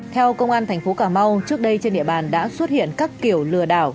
theo công an thành phố cà mau trước đây trên địa bàn đã xuất hiện các kiểu lừa đảo